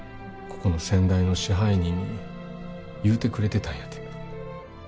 ここの先代の支配人に言うてくれてたんやて。